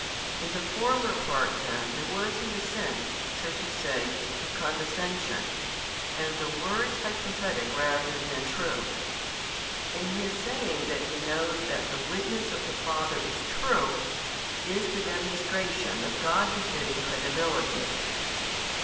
In the former 13 part then there was an assent 14 so to say of condescension, and the words hypothetic 15 rather than true; in His saying that He knows that |282 the witness of the Father is true, is the demonstration of God befitting credibility.